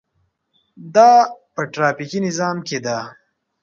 دا په ټرافیکي نظام کې ده.